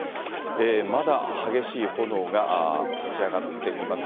まだ激しい炎が立ち上がっています。